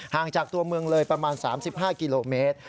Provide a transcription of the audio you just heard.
ห่างจากตัวเมืองเลยประมาณ๓๕กิโลเมตร